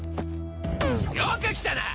よく来たな！